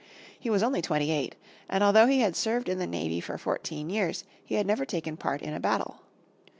He was only twenty eight, and although he had served in the navy for fourteen years he had never taken part in a battle.